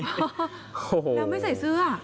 แล้วไม่ใส่เสื้อ